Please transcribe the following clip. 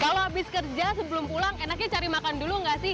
kalau habis kerja sebelum pulang enaknya cari makan dulu nggak sih